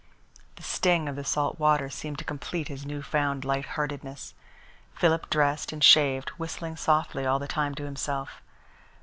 The sting of the salt water seemed to complete his new found light heartedness. Philip dressed and shaved, whistling softly all the time to himself.